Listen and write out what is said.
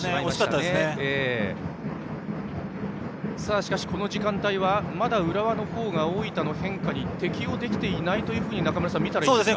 しかし、この時間帯はまだ浦和のほうが大分の変化に適応できていないというふうに中村さん、見たらいいですか。